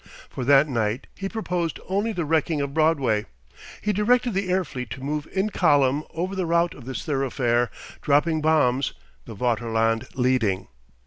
For that night he proposed only the wrecking of Broadway. He directed the air fleet to move in column over the route of this thoroughfare, dropping bombs, the Vaterland leading.